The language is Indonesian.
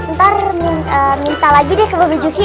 ntar minta lagi deh ke beberapa juki